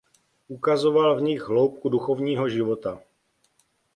Ukazoval v nich hloubku duchovního života.